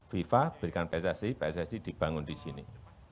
fifa berikan pssi pssi dibangun di sini